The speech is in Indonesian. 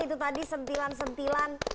itu tadi sentilan sentilan